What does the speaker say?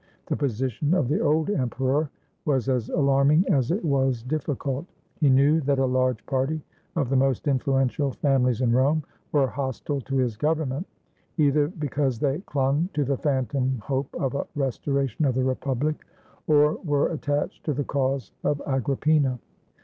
The position of the old emperor was as alarming as it was difl&cult. He knew that a large party of the most influential fami lies in Rome were hostile to his government, either be cause they clung to the phantom hope of a restoration of the Republic, or were attached to the cause of Agrip pina.